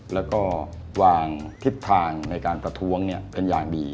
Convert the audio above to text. แล้วก็วางทิศทางในการประท้วงเป็นอย่างดี